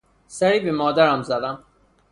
سری به مادرم زدم.